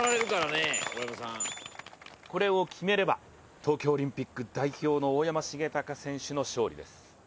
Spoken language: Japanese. これを決めれば東京オリンピック代表の大山重隆選手の勝利です。